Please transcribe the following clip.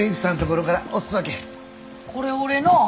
これ俺の！